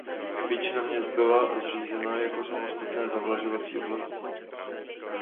Většina měst byla zřízena jako samostatné zavlažovací oblasti.